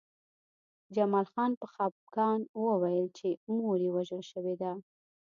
جمال خان په خپګان وویل چې مور یې وژل شوې ده